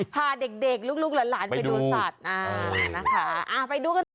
พาเด็กลูกหลานไปดูสัตว์